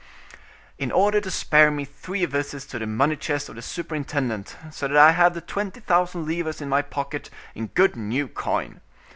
"In order to spare me three visits to the money chest of the superintendent, so that I have the twenty thousand livres in my pocket in good new coin.